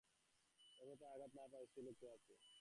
এ কথায় আঘাত না পায় এমন স্ত্রীলোক কে আছে।